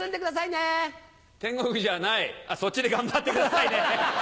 天国じゃないそっちで頑張ってくださいね。